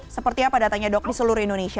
seperti apa datanya dok di seluruh indonesia